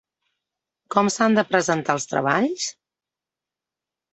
Com s'han de presentar els treballs?